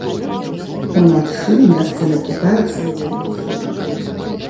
Уначы месцамі чакаецца невялікі снег.